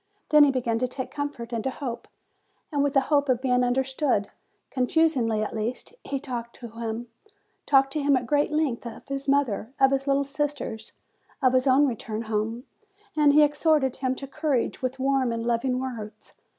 Then he began to take comfort and to hope; and with the hope of being understood, confusedly at least, he talked to him alked to him at great length of his mother, of his little sisters, of his own return home; and he exhorted him to courage, with warm and loving words.